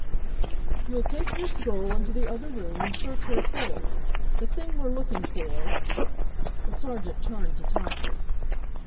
"You'll take this girl into the other room and search her thoroughly. The thing we're looking for " The Sergeant turned to Tausig.